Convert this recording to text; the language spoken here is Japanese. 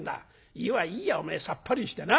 湯はいいよおめえさっぱりしてな」。